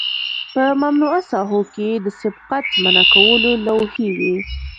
په ممنوعه ساحو کې د سبقت منع کولو لوحې وي